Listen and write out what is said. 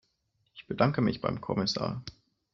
Ich bedanke mich beim Kommissar.